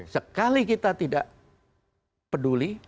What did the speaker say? sekali kita tidak peduli